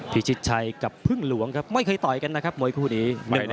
พิชิตชัยกับพึ่งหลวงครับไม่เคยต่อยกันนะครับมวยคู่นี้